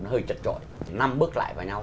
nó hơi chật chọi năm bức lại vào nhau